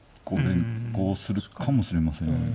これこうするかもしれませんよね。